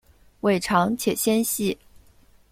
尾长且纤细。